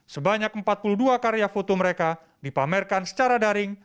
sebanyak empat puluh dua karya foto mereka dipamerkan secara daring